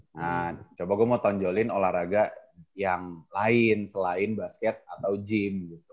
nah coba gue mau tonjolin olahraga yang lain selain basket atau gym gitu